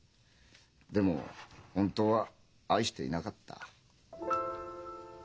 でも本当は愛していなかった。